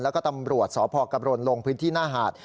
แล้วก็ตำรวจสพกรณลงพื้นที่หน้าหาด